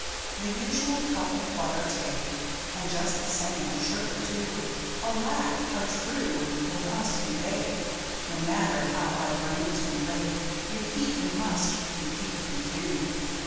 The usual cup of butter take, And just the same of sugar, too, Alack! how true with us who bake. No matter how our brains we rake, Repeat we must, repeat we do.